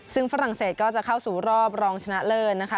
ซึ่งฝรั่งเศสก็จะเข้าสู่รอบรองชนะเลิศนะคะ